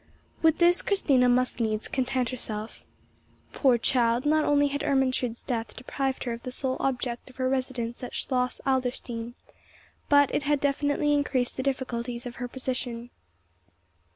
With this Christina must needs content herself. Poor child, not only had Ermentrude's death deprived her of the sole object of her residence at Schloss Adlerstein, but it had infinitely increased the difficulties of her position.